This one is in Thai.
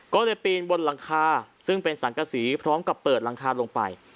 ก็เลยปีนบนหลังคาซึ่งเป็นสังกษีพร้อมกับเปิดหลังคาลงไป